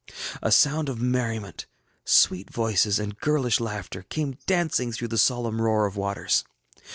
ŌĆØ ŌĆ£A sound of merriment, sweet voices and girlish laughter, came dancing through the solemn roar of waters.